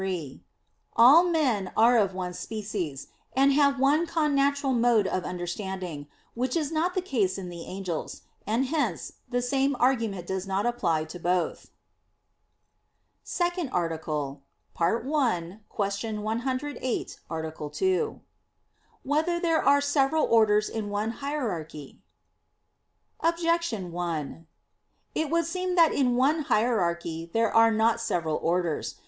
3: All men are of one species, and have one connatural mode of understanding; which is not the case in the angels: and hence the same argument does not apply to both. _______________________ SECOND ARTICLE [I, Q. 108, Art. 2] Whether There Are Several Orders in One Hierarchy? Objection 1: It would seem that in the one hierarchy there are not several orders.